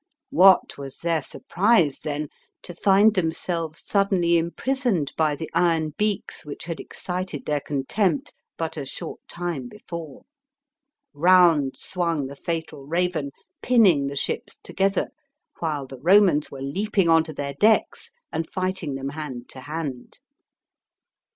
What was their surprise, then, to find them selves suddenly imprisoned, by the iron beaks, which had excited their contempt, but a short time before. Ptound swung the fatal raven, pinning the ships together, while the Romans were leaping on to their decks, and fighting them hand to hand.